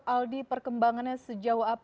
aldi perkembangannya sejauh apa